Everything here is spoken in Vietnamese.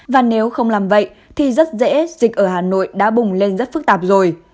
và nếu không làm vậy thì rất dễ dịch ở hà nội đã bùng lên rất phức tạp rồi